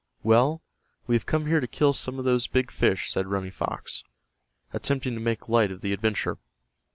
"Well, we have come here to kill some of those big fish," said Running Fox, attempting to make light of the adventure.